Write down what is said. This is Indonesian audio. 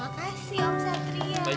makasih om satria